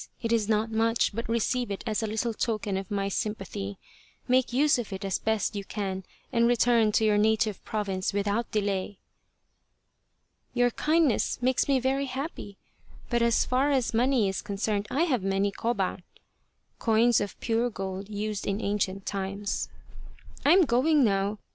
It is not much, but receive it as a little token of my sympathy. Make use of it as best you can and return to your native province with out delay." " Your kindness makes me very happy, but as far as money is concerned I have many koban [coins of pure gold used in ancient times]. I am going now.